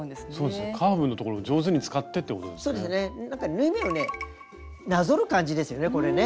縫い目をねなぞる感じですよねこれね。